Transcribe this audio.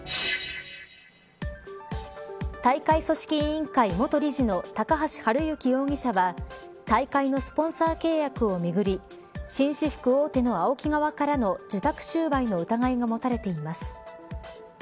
大会組織委員会元理事の高橋治之容疑者は大会のスポンサー契約をめぐり紳士服大手のＡＯＫＩ側からの受託収賄の疑いが持たれています。